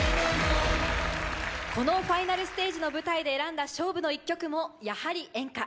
ファイナルステージの舞台で選んだ勝負の１曲もやはり演歌。